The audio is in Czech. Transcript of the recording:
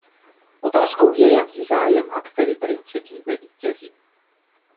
Otázkou je, jaký zájem a který princip zde vítězí.